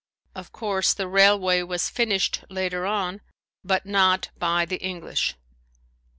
Of course the railway was finished later on, but not by the English.